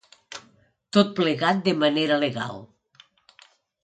Tot plegat, de manera legal.